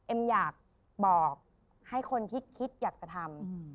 อยากบอกให้คนที่คิดอยากจะทำ